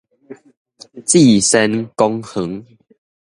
至善公園